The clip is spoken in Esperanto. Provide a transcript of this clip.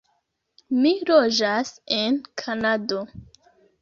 Mi loĝas en Kanado.